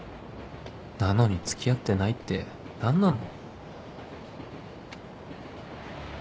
なのに付き合ってないって何なの？